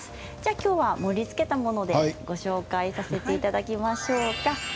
きょう盛りつけたものでご紹介させていただきましょう。